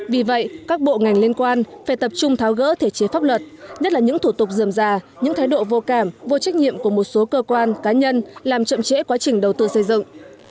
vì vậy các bộ ngành liên quan phải tập trung tháo gỡ thể chế pháp luật nhất là những thủ tục dườm già những thái độ vô cảm vô trách nhiệm của một số cơ quan cá nhân làm chậm trễ quá trình đầu tư xây dựng